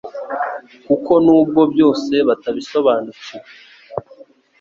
kuko n'ubwo byose batabisobanukiwe,